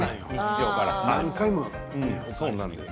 何回もね。